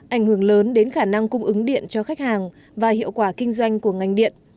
ảnh hưởng lớn đến khả năng cung ứng điện cho khách hàng và hiệu quả kinh doanh của ngành điện